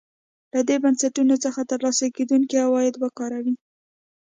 له دې بنسټونو څخه ترلاسه کېدونکي عواید وکاروي.